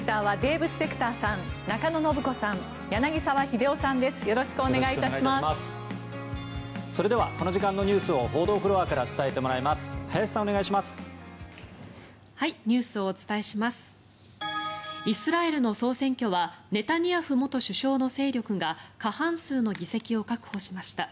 イスラエルの総選挙はネタニヤフ元首相の勢力が過半数の議席を確保しました。